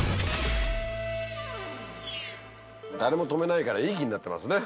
誰も止めないからいい気になってますね。